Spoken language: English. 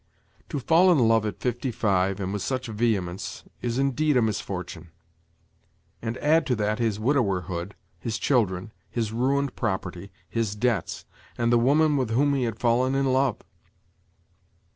To fall in love at fifty five, and with such vehemence, is indeed a misfortune! And add to that his widowerhood, his children, his ruined property, his debts, and the woman with whom he had fallen in love!